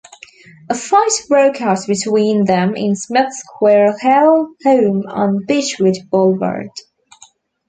A fight broke out between them in Smith's Squirrel Hill home on Beechwood Boulevard.